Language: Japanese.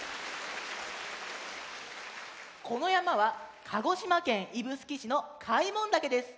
このやまは鹿児島県指宿市の開聞岳です。